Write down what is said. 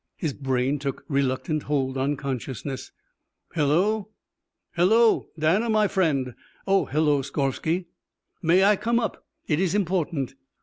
His brain took reluctant hold on consciousness. "Hello?" "Hello? Danner, my friend " "Oh, hello, Skorvsky " "May I come up? It is important."